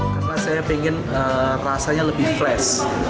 karena saya ingin rasanya lebih fresh